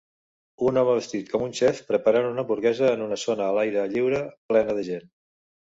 Un home vestit com un xef preparant una hamburguesa en una zona a l'aire lliure plena de gent.